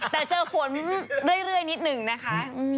แต่เจอฝนเรื่อยนิดหนึ่งนะคะ